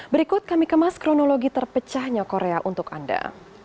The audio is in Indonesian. berikut kami kemas kronologi terpecahnya korea untuk anda